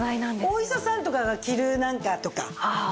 お医者さんとかが着るなんかとか？